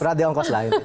berat diongkos lah ini